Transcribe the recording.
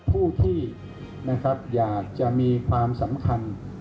ผู้ที่อยากจะมีความสำคัญ